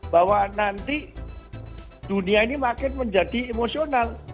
bahwa nanti dunia ini makin menjadi emosional